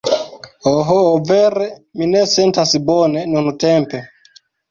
Oh... vere mi ne sentas bone nuntempe!